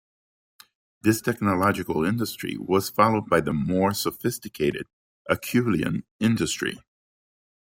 This technological industry was followed by the more sophisticated Acheulean industry.